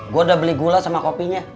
gue udah beli gula sama kopinya